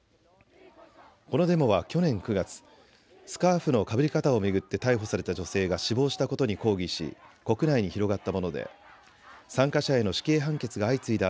このデモは去年９月、スカーフのかぶり方を巡って逮捕された女性が死亡したことに抗議し国内に広がったもので参加者への死刑判決が相次いだ